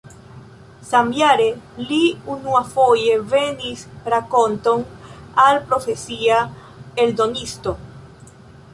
Samjare li unuafoje venis rakonton al profesia eldonisto.